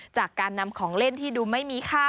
จากการนำของเล่นที่ดูไม่มีค่า